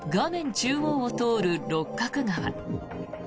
中央を通る六角川。